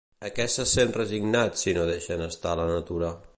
A què se sent resignat si no deixen estar la natura?